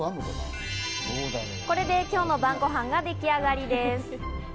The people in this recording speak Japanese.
これで今日の晩ごはんができ上がりです。